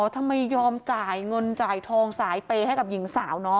ทำไมยอมจ่ายเงินจ่ายทองสายเปย์ให้กับหญิงสาวเนอะ